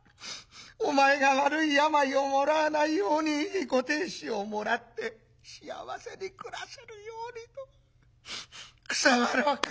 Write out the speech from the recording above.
お前が悪い病をもらわないようにいいご亭主をもらって幸せに暮らせるようにと草葉の陰で祈ってる」。